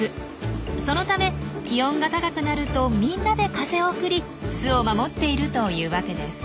そのため気温が高くなるとみんなで風を送り巣を守っているというわけです。